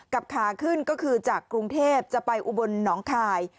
ขาขึ้นก็คือจากกรุงเทพจะไปอุบลหนองคาย